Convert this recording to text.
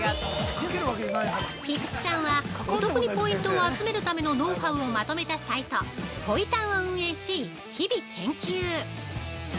菊地さんは、お得にポイントを集めるためのノウハウをまとめたサイト「ポイ探」を運営し、日々研究！